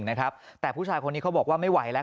นะครับแต่ผู้ชายคนนี้เขาบอกว่าไม่ไหวแล้ว